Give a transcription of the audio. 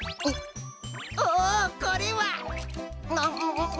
おおこれは！